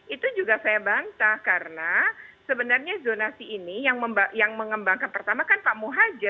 itu juga saya bantah karena sebenarnya zonasi ini yang mengembangkan pertama kan pak muhajir